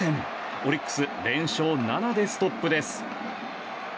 オリックス連勝７でストップです。